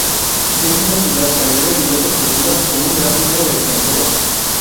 Es una ciudad que alberga diversas culturas con un gran número de extranjeros.